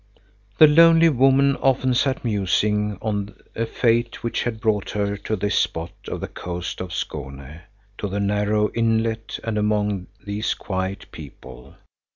The lonely woman often sat musing on the fate which had brought her to this spot on the coast of Skone, to the narrow inlet and among these quiet people.